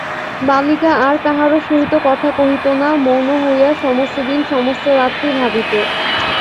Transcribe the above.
বালিকা আর কাহারও সহিত কথা কহিত না, মৌন হইয়া সমস্তদিন সমস্তরাত্রি ভাবিত।